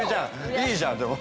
いいじゃんでも。